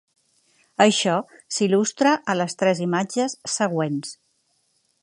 Això s'il·lustra a les tres imatges següents.